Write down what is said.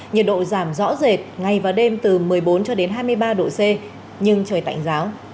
nhiệt độ giảm rõ rệt ngay vào đêm từ một mươi bốn cho đến hai mươi ba độ c nhưng trời tạnh ráo